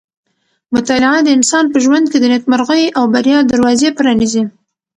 مطالعه د انسان په ژوند کې د نېکمرغۍ او بریا دروازې پرانیزي.